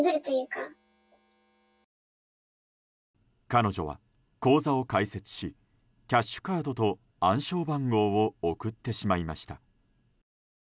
彼女は口座を開設しキャッシュカードと暗証番号を送ってしまいました。